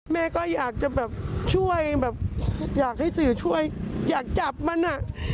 แม่ก็อยากจะแบบช่วยแบบอยากให้สื่อช่วยอยากจับมันอ่ะ